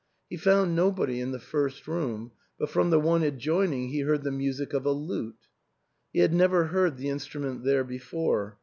He found nobody in the first room, but from the one adjoining he heard the music of a lute. He had never heard the instrument there before.